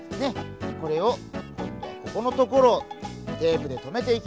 これをこんどはここのところをテープでとめていきます。